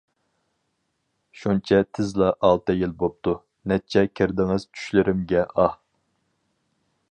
شۇنچە تېزلا ئالتە يىل بوپتۇ، نەچچە كىردىڭىز چۈشلىرىمگە ئاھ!